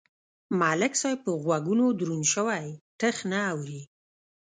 ملک صاحب په غوږونو دروند شوی ټخ نه اوري.